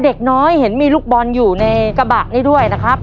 เด็กน้อยเห็นมีลูกบอลอยู่ในกระบะนี้ด้วยนะครับ